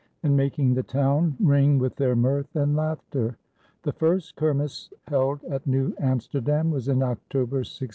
and making the town ring with their mirth and laughter. The first Kermis held at New Amsterdam was in October, 1659.